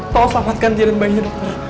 tolong selamatkan diri bayi dokter